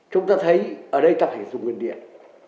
chúng ta thấy ở đây ta phải dùng nguyên điện